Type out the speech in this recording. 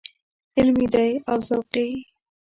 علمي دی او که ذوقي.